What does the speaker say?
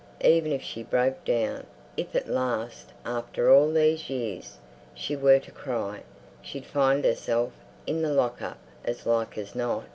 Even if she broke down, if at last, after all these years, she were to cry, she'd find herself in the lock up as like as not.